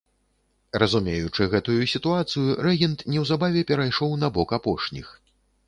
Разумеючы гэтую сітуацыю, рэгент неўзабаве перайшоў на бок апошніх.